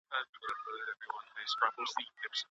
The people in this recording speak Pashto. په باطله يا فاسده نکاح کي طلاق نسته.